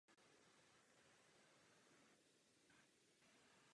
Definice dřevin se často v odborné literatuře podstatně liší.